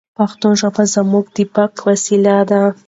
پښتو ژبه زموږ د بقا وسیله ده.